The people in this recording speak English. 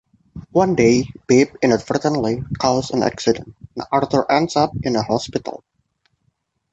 One day, Babe inadvertently causes an accident and Arthur ends up in a hospital.